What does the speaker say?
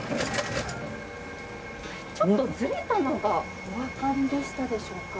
ちょっとズレたのがおわかりでしたでしょうか？